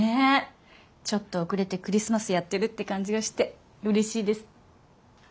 ちょっと遅れてクリスマスやってるって感じがしてうれしいです。